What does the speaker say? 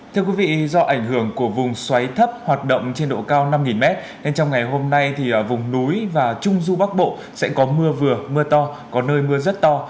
thưa quý vị do ảnh hưởng của vùng xoáy thấp hoạt động trên độ cao năm m nên trong ngày hôm nay thì vùng núi và trung du bắc bộ sẽ có mưa vừa mưa to có nơi mưa rất to